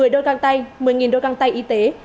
một mươi đôi găng tay một mươi đôi găng tay y tế